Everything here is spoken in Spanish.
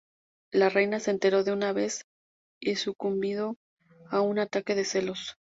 La Reina se enteró de una vez y sucumbido a un ataque de celos.